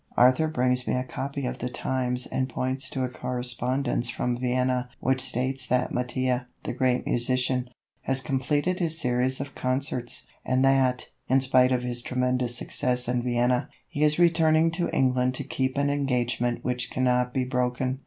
Arthur brings me a copy of the Times and points to a correspondence from Vienna which states that Mattia, the great musician, has completed his series of concerts, and that, in spite of his tremendous success in Vienna, he is returning to England to keep an engagement which cannot be broken.